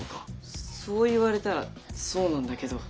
そう言われたらそうなんだけど。